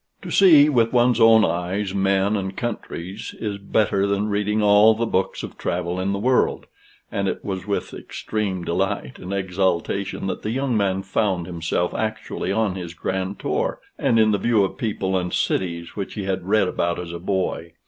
To see with one's own eyes men and countries, is better than reading all the books of travel in the world: and it was with extreme delight and exultation that the young man found himself actually on his grand tour, and in the view of people and cities which he had read about as a boy.